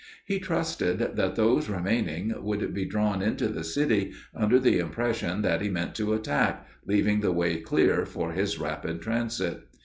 He trusted that those remaining would be drawn into the city, under the impression that he meant to attack, leaving the way clear for his rapid transit.